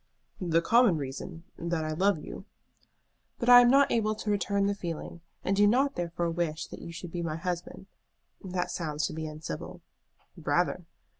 "The common reason: that I love you." "But I am not able to return the feeling, and do not therefore wish that you should be my husband. That sounds to be uncivil." "Rather."